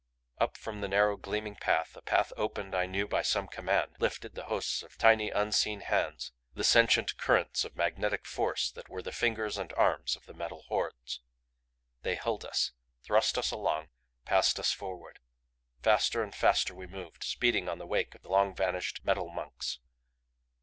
Up from the narrow gleaming path a path opened I knew by some command lifted the hosts of tiny unseen hands; the sentient currents of magnetic force that were the fingers and arms of the Metal Hordes. They held us, thrust us along, passed us forward. Faster and faster we moved, speeding on the wake of the long vanished metal monks.